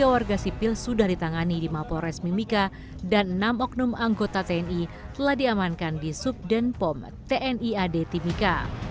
tiga warga sipil sudah ditangani di mapores mimika dan enam oknum anggota tni telah diamankan di subden pom tni ad timika